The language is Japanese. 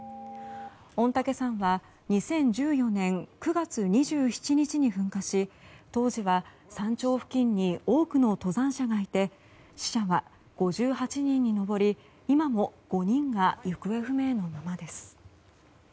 御嶽山は２０１４年９月２７日に噴火し当時は山頂付近に多くの登山者がいて死者は５８人に上り今も５人が行方不明のままです。